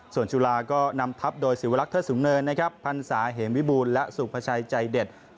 ส่วนจุฬาก็นำทับโดยศิวลักษิสูงเนินนะครับพันศาเหมวิบูรณ์และสุภาชัยใจเด็ด